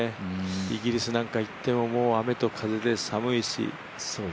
イギリスなんか行っても雨と風で寒いし。